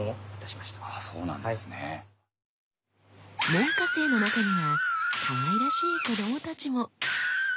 門下生の中にはかわいらしい子どもたちも。